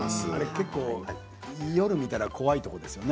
結構、夜見たら怖いところですよね